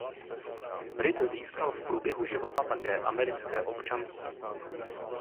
Brit získal v průběhu života také americké občanství.